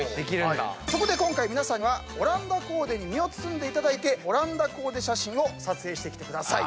そこで今回皆さんにオランダコーデに身を包んでいただいてオランダコーデ写真を撮影してきてください。